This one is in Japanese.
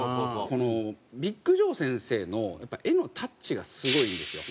このビッグ錠先生の絵のタッチがすごいいいんですよ。